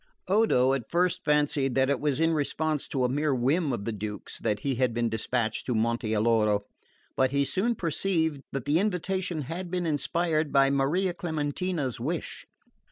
Odo at first fancied that it was in response to a mere whim of the Duke's that he had been despatched to Monte Alloro; but he soon perceived that the invitation had been inspired by Maria Clementina's wish.